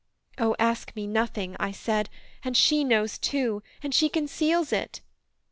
"O ask me nothing," I said: "And she knows too, And she conceals it."